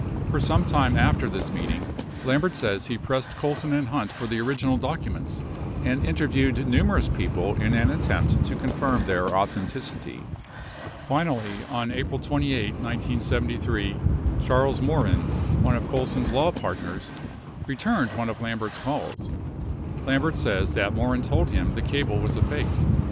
For some time after this meeting, Lambert says he pressed Colson and Hunt for the orig inal documents and interviewed numerous people in an attempt to confirm their authenticity. Finally, on April 28, 1973, Charles Morin, one of Colson's law partners, returned one of Lambert's calls. Lambert says that Morin told him the cable was a fake.